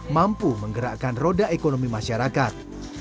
mampu menggerakkan roda ekonomi masyarakat